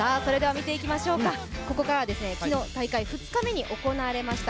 ここからは大会２日目に行われました